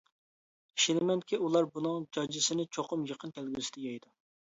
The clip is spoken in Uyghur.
ئىشىنىمەنكى، ئۇلار بۇنىڭ جاجىسىنى چوقۇم يېقىن كەلگۈسىدە يەيدۇ.